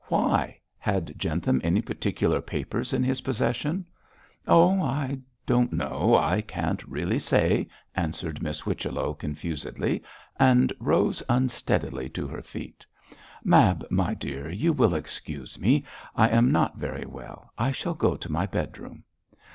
'Why! had Jentham any particular papers in his possession?' 'Oh, I don't know; I really can't say,' answered Miss Whichello, confusedly, and rose unsteadily to her feet. 'Mab, my dear, you will excuse me, I am not very well; I shall go to my bedroom.'